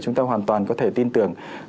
chúng ta hoàn toàn có thể tin tưởng